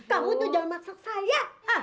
kamu tuh jangan maksud saya